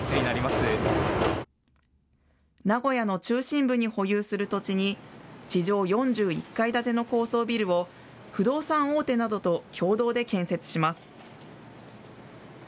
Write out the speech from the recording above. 名古屋の中心部に保有する土地に、地上４１階建ての高層ビルを、不動産大手などと共同で建設します。